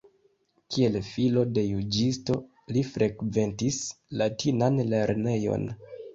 Kiel filo de juĝisto li frekventis latinan lernejon.